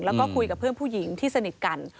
แล้วก็คุยกับเพื่อนผู้หญิงที่สนิทกัน